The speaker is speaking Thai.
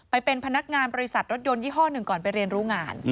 ไปเป็นพนักงานบริษัทรถยนต์ยี่ห้อหนึ่งก่อนไปเรียนรู้งาน